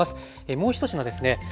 もうひと品ですね